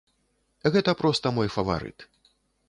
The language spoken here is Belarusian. Гэта проста мой фаварыт.